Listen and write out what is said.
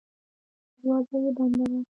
دروازه یې بنده وه.